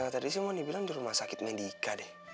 tadi sih mondi bilang di rumah sakit medika deh